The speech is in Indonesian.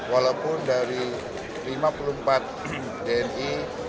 walaupun dari lima puluh empat dni